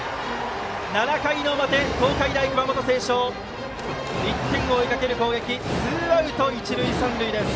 ７回の表、東海大熊本星翔１点を追いかける攻撃ツーアウト、一塁三塁です。